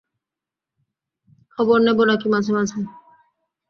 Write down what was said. খবর নেব নাকি মাঝে মাঝে?